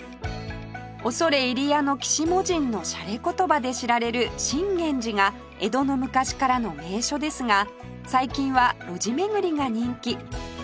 「恐れ入谷の鬼子母神」のしゃれ言葉で知られる真源寺が江戸の昔からの名所ですが最近は路地巡りが人気